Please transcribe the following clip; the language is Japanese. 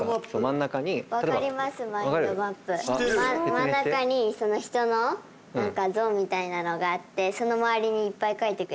真ん中に人の何か像みたいなのがあってその周りにいっぱい書いてくやつですね。